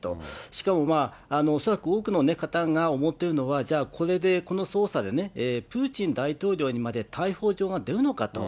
しかも、恐らく多くの方が思ってるのは、じゃあ、これで、この捜査でね、プーチン大統領にまで逮捕状が出るのかと。